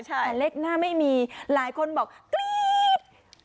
แต่เลขหน้าไม่มีหลายคนบอกกรี๊ด